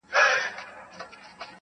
نن به دي سېل د توتکیو تر بهاره څارې -